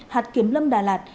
hạt kiếm lâm đà lạt